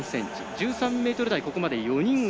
１３ｍ台、ここまで４人が